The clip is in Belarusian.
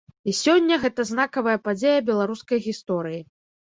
І сёння гэта знакавая падзея беларускай гісторыі.